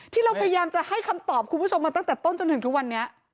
ที่เราพยายามจะให้คำตอบคุณผู้ชมมาตั้งแต่ต้นจนถึงทุกวันนี้